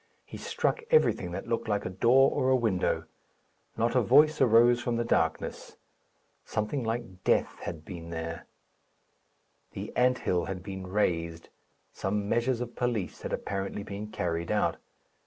He struck everything that looked like a door or a window. Not a voice arose from the darkness. Something like death had been there. The ant hill had been razed. Some measures of police had apparently been carried out.